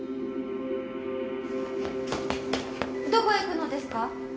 どこへ行くのですか？